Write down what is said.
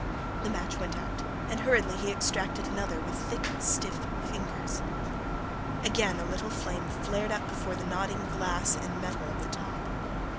The match went out, and hurriedly he extracted another, with thick, stiff fingers. Again a little flame flared up before the nodding glass and metal of the top.